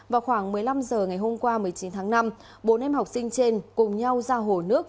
vào khoảng một mươi năm h ngày hôm qua một mươi chín tháng năm bốn em học sinh trên cùng nhau ra hồ nước